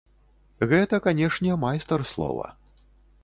Гэта, канешне, майстар слова.